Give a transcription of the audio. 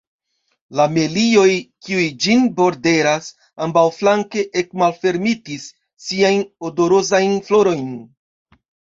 La melioj, kiuj ĝin borderas ambaŭflanke, ekmalfermetis siajn odorozajn florojn.